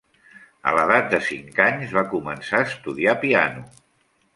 A l'edat de cinc anys va començar a estudiar piano.